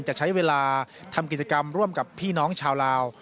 จะใช้เวลาทำกิจกรรมร่วมกับพี่น้องชาวลาว